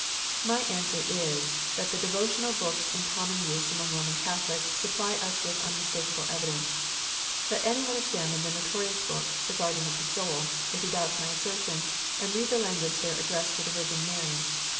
My answer is, that the devotional books in common use among Roman Catholics supply us with unmistakable evidence. Let any one examine that notorious book, The Garden of the Soul, if he doubts my assertion, and read the language there addressed to the Virgin Mary.